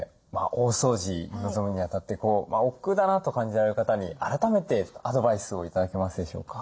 大掃除臨むにあたっておっくうだなと感じられる方に改めてアドバイスを頂けますでしょうか？